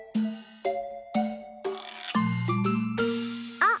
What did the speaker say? あっ！